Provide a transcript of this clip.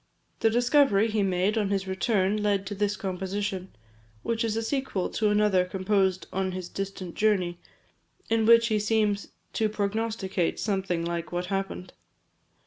The discovery he made, on his return, led to this composition; which is a sequel to another composed on his distant journey, in which he seems to prognosticate something like what happened.